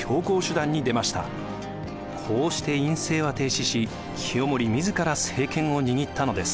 こうして院政は停止し清盛自ら政権を握ったのです。